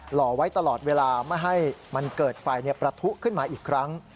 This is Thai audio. ห่อไว้ตลอดเวลาไม่ให้มันเกิดไฟประทุขึ้นมาอีกครั้ง